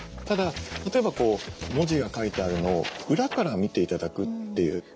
ただ例えば文字が書いてあるのを裏から見て頂くっていう。